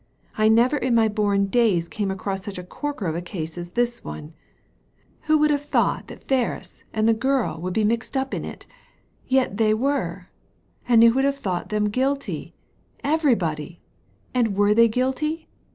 I never in my bom days came across such a corker of a case as this one. Who would have thought that Ferris and the girl would be Digitized by Google THE UNEXPECTED OCCURS 195 mixed up in it ?— ^yet they were. And who would have thought them guilty ? Everybody ! And were they guilty